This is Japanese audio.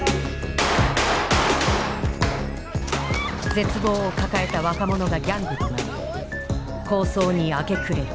絶望を抱えた若者がギャングとなり抗争に明け暮れる。